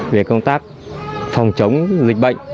về công tác phòng chống dịch bệnh